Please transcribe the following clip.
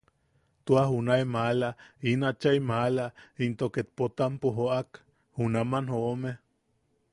Ta junae maala, in achai maala, into ket Potampo joʼak, junaman joome.